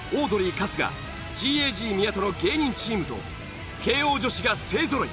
春日ＧＡＧ宮戸の芸人チームと慶應女子が勢ぞろい